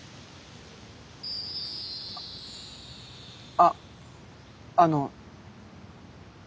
あっあの。